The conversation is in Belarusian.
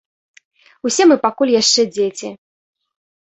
Усе мы пакуль яшчэ дзеці!